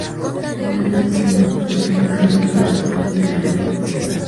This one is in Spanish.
Con este fundó otra efímera revista, "Las Artes y las Letras".